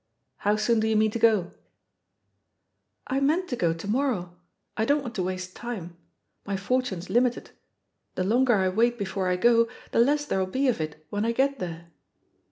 How soon do you mean to go ?" "I meant to go to morrow; I don't want to waste time. My fortime's limited — ^the longer I wait before I go, the less there'll be of it when I get there."